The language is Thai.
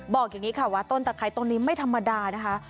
บอกอย่างนี้ค่ะว่าต้นตะไครต้นนี้ไม่ธรรมดานะคะ